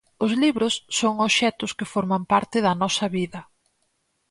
Os libros son obxectos que forman parte da nosa vida.